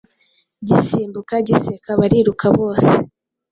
gisimbuka, giseka, bariruka bose